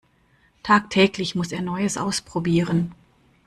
Tagtäglich muss er Neues ausprobieren.